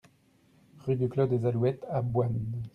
Rue du Clos des Alouettes à Boynes